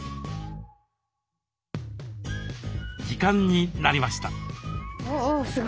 時間になりました。